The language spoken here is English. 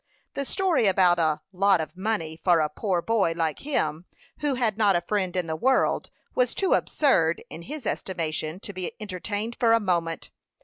The story about a "lot of money" for a poor boy like him, who had not a friend in the world, was too absurd, in his estimation, to be entertained for a moment.